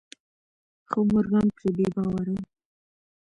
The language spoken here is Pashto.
خو مورګان پرې بې باوره و.